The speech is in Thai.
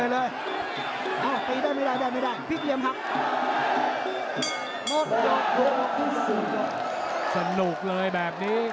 ตอนนี้มันถึง๓